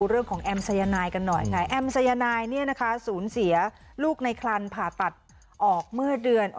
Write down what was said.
แอมสัยนายกันหน่อยไงแอมสายนายเนี่ยนะคะศูนย์เสียลูกในคลันผ่าตัดออกเมื่อเดือน